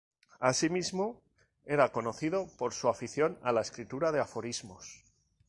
Asimismo era conocido por su afición a la escritura de aforismos.